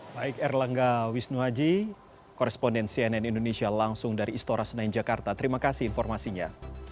baik erlangga wisnuhaji koresponden cnn indonesia langsung dari istora senayan jakarta terima kasih informasinya